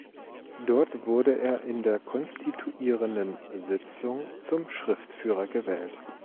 Dort wurde er in der konstituierenden Sitzung zum Schriftführer gewählt.